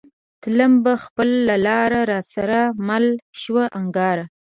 تلم به خپله لار را سره مله شوه نگارا